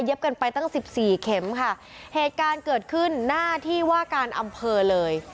กันไปตั้งสิบสี่เข็มค่ะเหตุการณ์เกิดขึ้นหน้าที่ว่าการอำเภอเลย